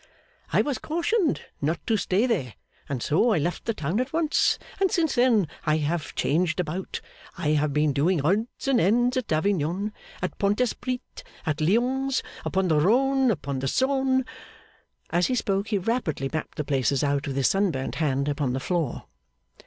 'I was cautioned not to stay there, and so I left the town at once, and since then I have changed about. I have been doing odds and ends at Avignon, at Pont Esprit, at Lyons; upon the Rhone, upon the Saone.' As he spoke, he rapidly mapped the places out with his sunburnt hand upon the floor.